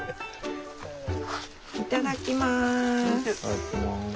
いただきます。